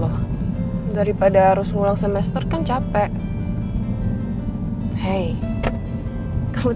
udah kalau itu mau kamu